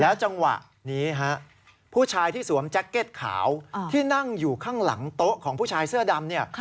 จังหวะนี้ฮะผู้ชายที่สวมแจ็คเก็ตขาวที่นั่งอยู่ข้างหลังโต๊ะของผู้ชายเสื้อดำเนี่ย